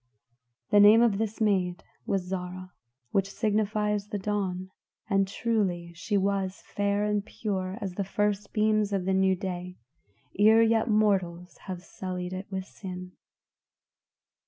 The name of this maid was Zarah, which signifies the Dawn; and truly she was fair and pure as the first beams of the new day, ere yet mortals have sullied it with sin.